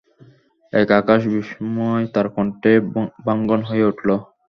এক আকাশ বিস্ময় তার কণ্ঠে বাঙ্ময় হয়ে উঠল।